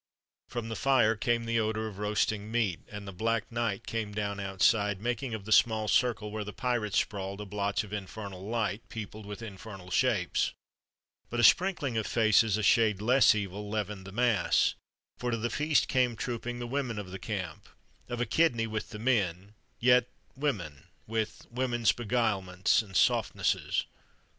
From the fire came the odor of roasting meat, and the black night came down outside, making of the small circle where the pirates sprawled a blotch of infernal light, peopled with infernal shapes. But a sprinkling of faces a shade less evil leavened the mass; for to the feast came trooping the women of the camp: of a kidney with the men yet women, with women's beguilements and softnesses.